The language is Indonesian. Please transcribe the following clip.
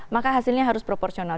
maka hasilnya harus proporsional